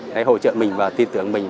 đấy hỗ trợ mình và tiên tưởng mình